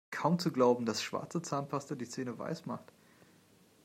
Kaum zu glauben, dass schwarze Zahnpasta die Zähne weiß macht!